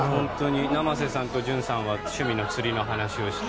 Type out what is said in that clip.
生瀬さんと潤さんは趣味の釣りの話をして。